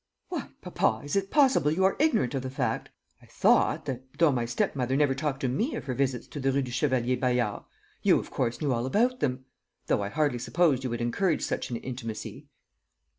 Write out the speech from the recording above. "What, papa! is it possible you are ignorant of the fact? I thought that, though my stepmother never talked to me of her visits to the Rue du Chevalier Bayard, you of course knew all about them. Though I hardly supposed you would encourage such an intimacy."